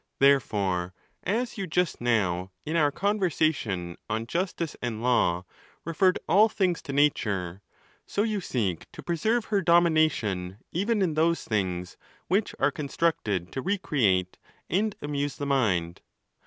Therefore, as you just now, in our conversation on Justice and Law, referred all things to Nature, so you seek to preserve her domination even in those things which are con 'structed to recreate and amuse the mind.